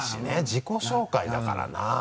自己紹介だからな。